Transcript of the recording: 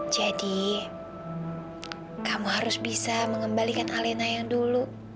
jadi kamu harus bisa mengembalikan alena yang dulu